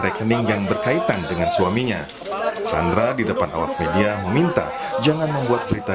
rekening yang berkaitan dengan suaminya sandra di depan awak media meminta jangan membuat berita